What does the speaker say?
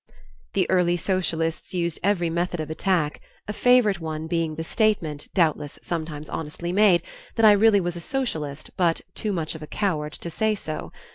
The early socialists used every method of attack, a favorite one being the statement, doubtless sometimes honestly made, that I really was a socialist, but "too much of a coward to say so."